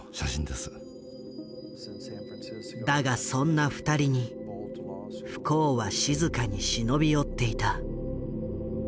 だがそんな２人に不幸は静かに忍び寄っていた。